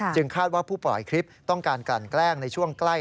คาดว่าผู้ปล่อยคลิปต้องการกลั่นแกล้งในช่วงใกล้